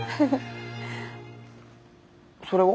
それは？